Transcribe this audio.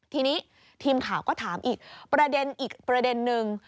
ทีนี้ทีมข่าวก็ถามอีกประเด็นอีกประเด็นนึง